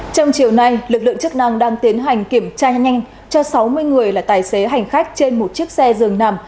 trong chiều nay lực lượng chức năng đang tiến hành kiểm tra nhanh cho sáu mươi người là tài xế hành khách trên một chiếc xe dường nằm